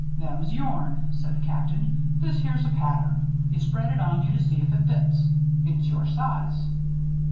"Them's yourn," said the Captain. "This here's a pattern. You spread it on you to see if it fits. It's your size."